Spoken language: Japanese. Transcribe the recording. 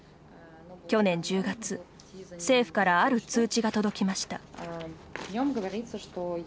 去年１０月、政府からある通知が届きました。